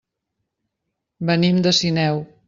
Venim de Sineu.